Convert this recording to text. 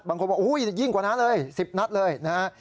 บางคนบอกอุ้ยยิ่งกว่านั้นเลย๑๐นัดเลยนะฮะ